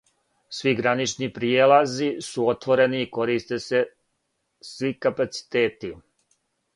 Сви гранични пријелази су отворени и користе се сви капацитети.